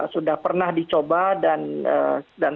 sudah pernah dicoba dan